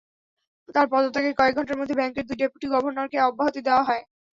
তাঁর পদত্যাগের কয়েক ঘণ্টার মধ্যে ব্যাংকের দুই ডেপুটি গভর্নরকে অব্যাহতি দেওয়া হয়।